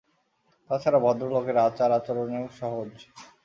তা ছাড়া ভদ্রলোকের আচার-আচরণেও সহজ।